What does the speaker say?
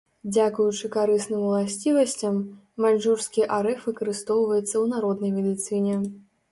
Дзякуючы карысным уласцівасцям, маньчжурскі арэх выкарыстоўваецца ў народнай медыцыне.